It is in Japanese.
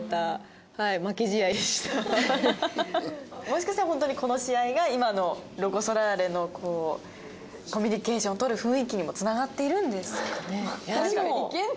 もしかしたら本当にこの試合が今のロコ・ソラーレのこうコミュニケーションを取る雰囲気にもつながっているんですかね。